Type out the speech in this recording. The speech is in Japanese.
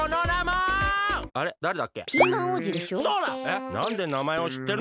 えっなんでなまえをしってるのだ！